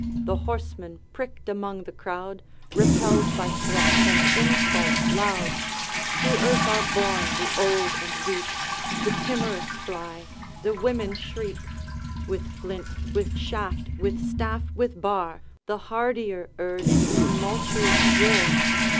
The horsemen pricked among the crowd, Repelled by threats and insult loud; To earth are borne the old and weak, The timorous fly, the women shriek; With flint, with shaft, with staff, with bar, The hardier urge tumultuous war.